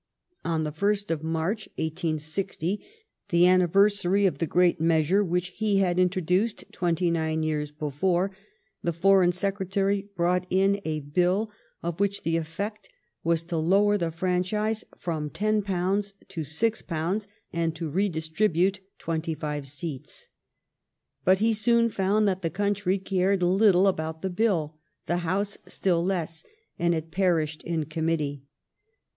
On the 1st of March 1860, the anniversary of the great measure which he had introduced twenty nine years before, the Foreign Secretary brought in a Bill of which the effect was to lower the franchise from £10 ixy £6, and to redistribute twenty five seats. But he soon found that the country cared little about the Bill, the House still less, and it perished in Committee.